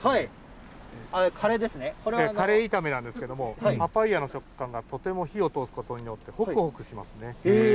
カレー炒めなんですけれども、パパイヤの食感がとても火を通すことによってほくほくしますね。